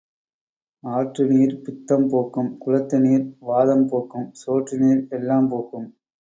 ஆற்று நீர் பித்தம் போக்கும் குளத்து நீர் வாதம் போக்கும் சோற்று நீர் எல்லாம் போக்கும்.